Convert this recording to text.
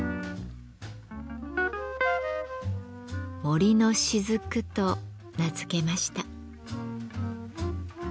「森の雫」と名付けました。